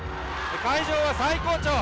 会場は最高潮。